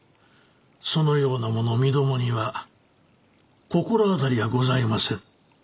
そのような者身どもには心当たりがございませぬ。